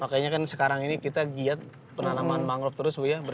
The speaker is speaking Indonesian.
makanya kan sekarang ini kita giat penanaman mangrove terus bu ya